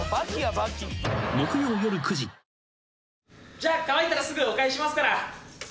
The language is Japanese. じゃあ乾いたらすぐお返ししますから。